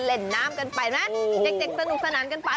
เล่นน้ำกันไปไหมเด็กสนุกสนานกันไป